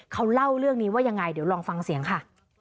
เขาเล่าเรื่องนี้ว่ายังไงเดี๋ยวลองฟังเสียงค่ะ